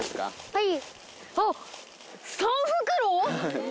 はい。